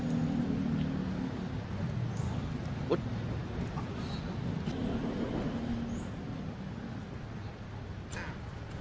สวัสดีครับ